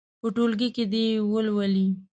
په ټولګي کې دې یې ولولي.